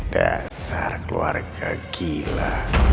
dasar keluarga gila